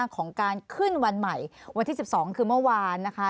ของการขึ้นวันใหม่วันที่๑๒คือเมื่อวานนะคะ